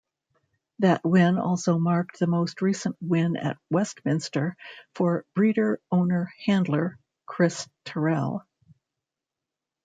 That win also marked the most recent win at Westminster for breeder-owner-handler, Chris Terrell.